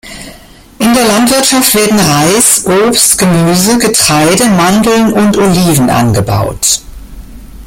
In der Landwirtschaft werden Reis, Obst, Gemüse, Getreide, Mandeln und Oliven angebaut.